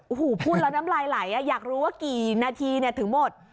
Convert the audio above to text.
โอ้โหพูดแล้วน้ำลายไหลอยากรู้ว่ากี่นาทีถึงหมด